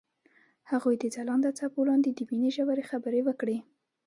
هغوی د ځلانده څپو لاندې د مینې ژورې خبرې وکړې.